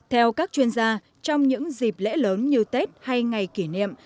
theo các chuyên gia trong những dịp lễ lớn như tết hay ngày kỷ niệm